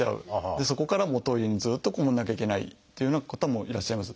でそこからトイレにずっと籠もらなきゃいけないっていうような方もいらっしゃいます。